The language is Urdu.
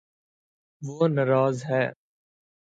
وہ ناراض ہے